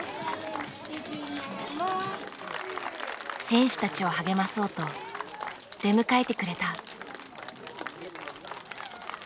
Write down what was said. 選手たちを励まそうと出迎えてくれた。